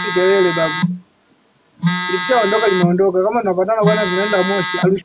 moja ya wakaazi wa jiji la dar es slaam